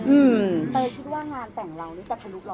อืมแต่เลยคิดว่างานแต่งเรานิจจักรสรุป๑๐๐ล้านไหมค่ะ